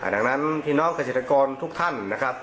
ดังนั้นพี่น้องเกษตรกรทุกท่าน